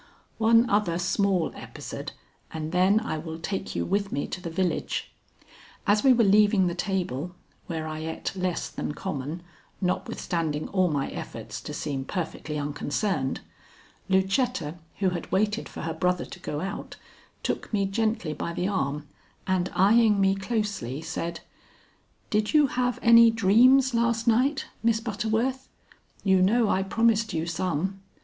One other small episode and then I will take you with me to the village. As we were leaving the table, where I ate less than common, notwithstanding all my efforts to seem perfectly unconcerned, Lucetta, who had waited for her brother to go out, took me gently by the arm, and, eying me closely, said: "Did you have any dreams last night, Miss Butterworth? You know I promised you some."